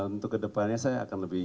untuk ke depannya saya akan lebih